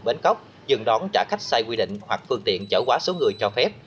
bến cóc dừng đón trả khách sai quy định hoặc phương tiện chở quá số người cho phép